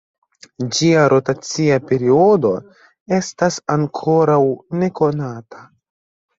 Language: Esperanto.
Ĝia rotacia periodo estas ankoraŭ nekonata.